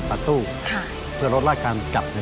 ไปดูกันค่ะว่าหน้าตาของเจ้าปาการังอ่อนนั้นจะเป็นแบบไหน